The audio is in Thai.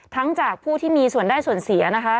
จากผู้ที่มีส่วนได้ส่วนเสียนะคะ